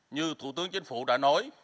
như thủ tướng chính phủ đã nói